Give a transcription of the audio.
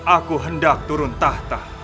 aku hendak turun tahta